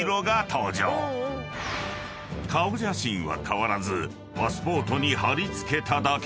［顔写真は変わらずパスポートに貼り付けただけ］